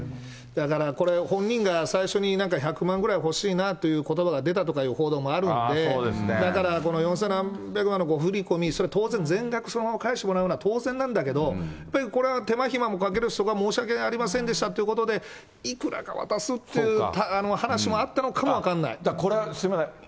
だからこれ、本人が最初になんか、１００万くらい欲しいなということばが出たとかいう報道もあるんで、だから、この四千何百万の誤振り込み、それは当然、全額そのまま返してもらうのは当然なんだけど、これ手間暇もかける人が、申し訳ありませんでしたということで、いくらか渡すっていう話もあったのかもだから、これ、すみません。